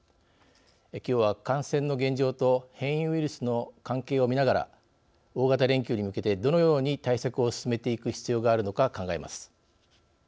きょうは感染の現状と変異ウイルスの関係を見ながら大型連休に向けてどのように対策を進めていく必要があるのか考えます。